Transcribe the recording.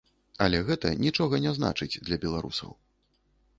Але гэта нічога не значыць для беларусаў.